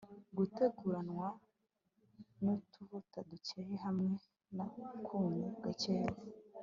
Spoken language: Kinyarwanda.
guteguranwa nutuvuta dukeya hamwe nakunyu gakeya